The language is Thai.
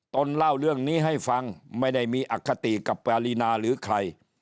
นเล่าเรื่องนี้ให้ฟังไม่ได้มีอคติกับปารีนาหรือใคร